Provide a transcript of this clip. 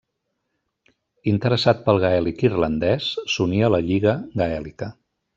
Interessat pel gaèlic irlandès, s'uní a la Lliga Gaèlica.